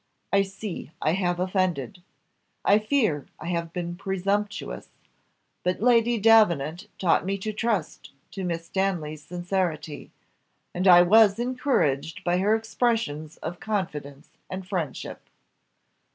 I see I have offended. I fear I have been presumptuous, but Lady Davenant taught me to trust to Miss Stanley's sincerity, and I was encouraged by her expressions of confidence and friendship."